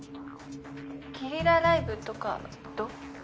ゲリラライブとかどう？